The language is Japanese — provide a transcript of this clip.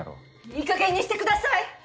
いいかげんにしてください！